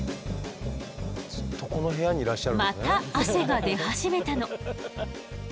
また汗が出始めたの。